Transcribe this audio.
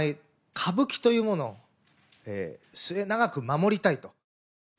歌舞伎というものを末永く守りたいと。